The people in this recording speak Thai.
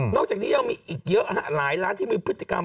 จากนี้ยังมีอีกเยอะหลายร้านที่มีพฤติกรรม